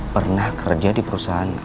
pernah kerja di perusahaan